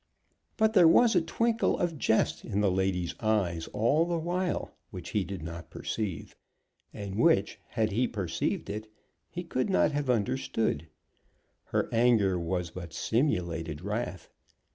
But there was a twinkle of jest in the lady's eyes all the while which he did not perceive, and which, had he perceived it, he could not have understood. Her anger was but simulated wrath.